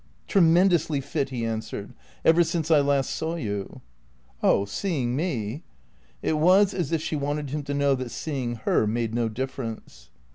"Tremendously fit," he answered; "ever since I last saw you." "Oh seeing me " It was as if she wanted him to know that seeing her made no difference.